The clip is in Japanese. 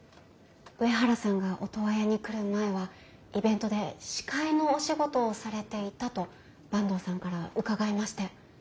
上原さんがオトワヤに来る前はイベントで司会のお仕事をされていたと坂東さんから伺いまして。